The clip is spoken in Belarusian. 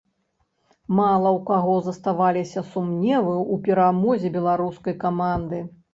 Мала ў каго заставаліся сумневы ў перамозе беларускай каманды.